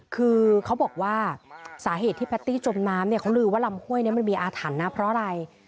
คือเขาบอกว่าสาเหตุที่แพตตี้จมน้ำเนี่ยเขาลือว่าลำห้วยนี้มันมีอาถรรพ์นะเพราะอะไร